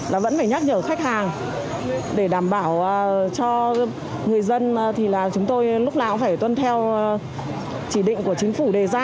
là vẫn phải nhắc nhở khách hàng để đảm bảo cho người dân thì là chúng tôi lúc nào cũng phải tuân theo chỉ định của chính phủ đề ra